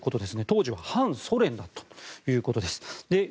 当時は反ソ連だったということです。